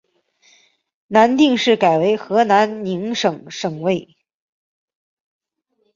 南定市改为河南宁省省莅。